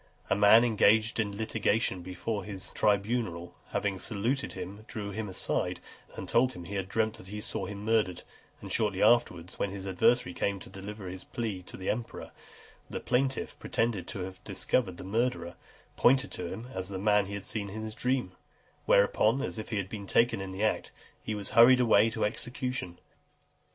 A man engaged in a litigation before his tribunal, having saluted him, drew him aside, and told him he had dreamt that he saw him murdered; and shortly afterwards, when his adversary came to deliver his plea to the emperor, the plaintiff, pretending to have discovered the murderer, pointed to him as the man he had seen in his dream; whereupon, as if he had been taken in the act, he was hurried away to execution.